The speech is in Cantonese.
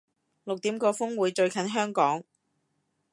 六點個風會最近香港